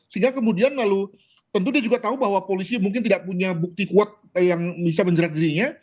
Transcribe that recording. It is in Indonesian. sehingga kemudian lalu tentu dia juga tahu bahwa polisi mungkin tidak punya bukti kuat yang bisa menjerat dirinya